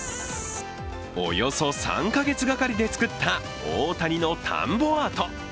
およそ３か月がかりで作った大谷の田んぼアート。